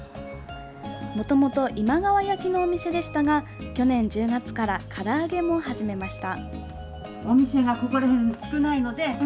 もともと今川焼きのお店でしたが去年１０月からから揚げも始めました。